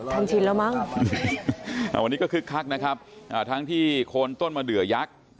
ชินแล้วมั้งวันนี้ก็คึกคักนะครับทั้งที่โคนต้นมะเดือยักษ์